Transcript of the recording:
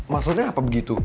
maksudnya apa begitu